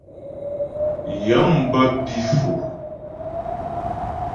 Yəŋ bə pǐ Fò.